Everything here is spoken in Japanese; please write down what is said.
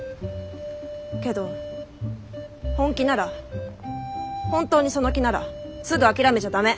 けど本気なら本当にその気ならすぐ諦めちゃ駄目。